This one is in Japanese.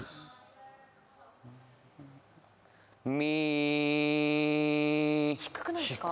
ミー低くないですか？